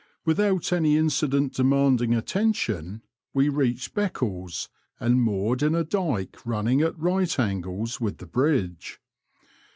Without any incident demanding attention, we reached Beccles, and moored in a dyke running at right angles with the bridge.